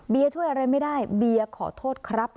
ช่วยอะไรไม่ได้เบียร์ขอโทษครับ